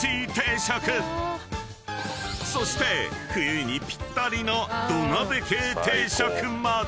［そして冬にぴったりの土鍋系定食まで］